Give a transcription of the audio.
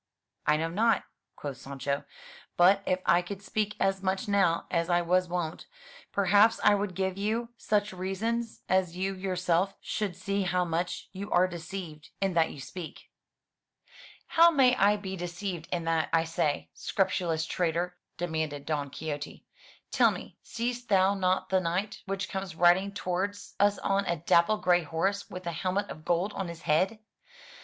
"I know not," quoth Sancho, "but if I could speak as much now as I was wont, perhaps I would give you such reasons as you yourself should see how much you are deceived in that you speak." 102 FROM THE TOWER WINDOW "How may I be deceived in that I say, scrupulous traitor?" demanded Don Quixote. "Tell me, seest thou not the knight which comes riding towards us on a dapple grey horse, with a helmet of gold on his head?'